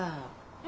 え？